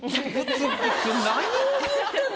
何に言うてんの？